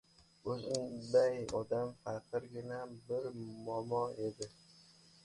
— O‘zimizday odam. Faqirgina bir momo edi.